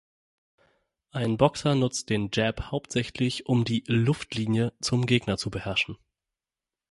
Ein Boxer nutzt den Jab hauptsächlich, um die „Luftlinie“ zum Gegner zu beherrschen.